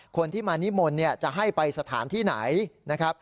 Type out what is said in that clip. คนที่มานิมนต์จะให้ไปสถานที่ไหนนะครับ